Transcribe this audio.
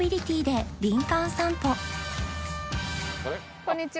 こんにちは。